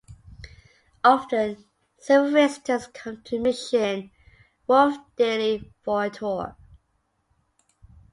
Often, several visitors come to Mission: Wolf daily for a tour.